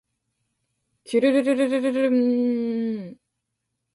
きゅるるるるるるるるんんんんんん